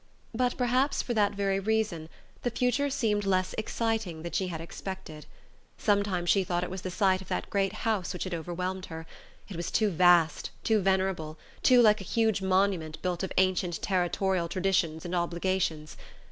But, perhaps for that very reason, the future seemed less exciting than she had expected. Sometimes she thought it was the sight of that great house which had overwhelmed her: it was too vast, too venerable, too like a huge monument built of ancient territorial traditions and obligations.